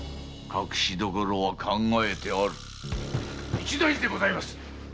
一大事でございます！